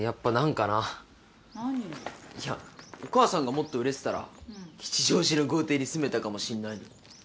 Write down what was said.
いやお母さんがもっと売れてたら吉祥寺の豪邸に住めたかもしんないのに。